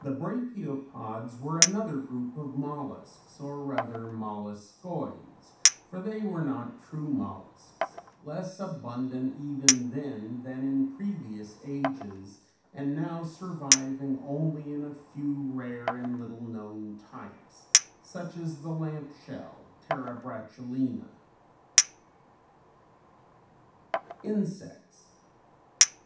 The Brachiopods were another group of molluscs, or rather molluscoids for they were not true molluscs, less abundant even then than in previous ages and now surviving only in a few rare and little known types such as the lamp shell (Terebratulina). _Insects.